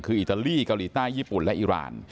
คืออิตาลีเกาหลีใต้ญี่ปุ่นและอิราณ